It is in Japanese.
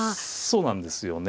そうなんですよね。